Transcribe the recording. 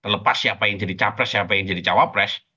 lepas siapa yang jadi capres siapa yang jadi cawapres